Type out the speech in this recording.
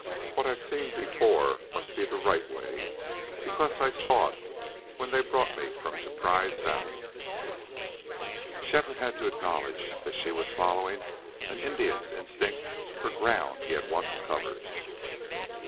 What I've seen, before must be the right way, because I saw it when they brought me from Surprise Valley." Shefford had to acknowledge that she was following an Indian's instinct for ground he had once covered.